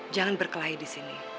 jangan berkelahi di sini